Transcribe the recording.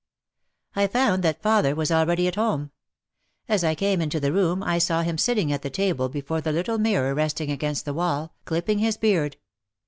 I found that father was already at home. As I came into the room I saw him sitting at the table before the little mirror resting against the wall, clipping his beard.